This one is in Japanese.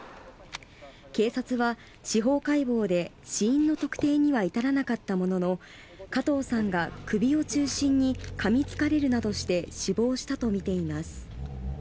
警察は、司法解剖で死因の特定には至らなかったものの加藤さんが首を中心にかみつかれるなどして死亡したとみています。